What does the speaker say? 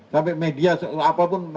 sampai media apapun